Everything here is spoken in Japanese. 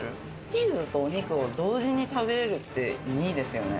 チーズとお肉を同時に食べれるっていいですよね。